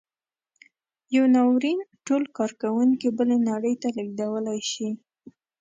یو ناورین ټول کارکوونکي بلې نړۍ ته لېږدولی شي.